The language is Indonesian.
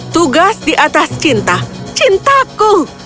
tugas di atas cinta cintaku